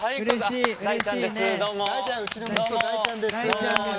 うちの息子大ちゃんです。